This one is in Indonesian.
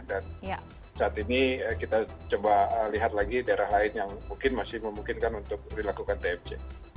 dan saat ini kita coba lihat lagi daerah lain yang mungkin masih memungkinkan untuk dilakukan tmc